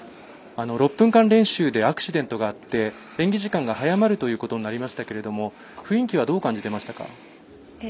６分間練習でアクシデントがあって演技時間が早まるということになりましたが雰囲気はどう感じてましたか？